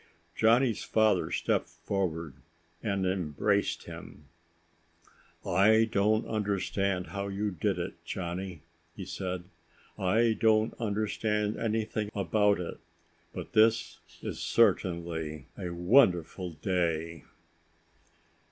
Johnny's father stepped forward and embraced him. "I don't understand how you did it, Johnny," he said. "I don't understand anything about it. But this is certainly a wonderful day!"